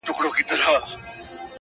ما له به څۀ ازادي وګټې غلام هلکه